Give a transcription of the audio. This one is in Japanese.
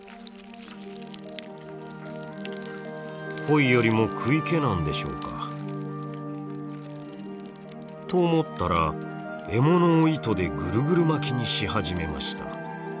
恋よりも食い気なんでしょうか？と思ったら獲物を糸でぐるぐる巻きにし始めました。